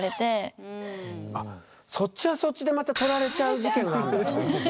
そっちはそっちでまた「取られちゃう事件」なんだ。